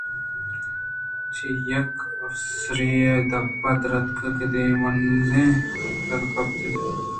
چہ یک افسرے ءِ دپ ءَ دراتک کہ دیمی مزنیں در ءِ دپ چینکس چِلّ ءُ لیگار اِنت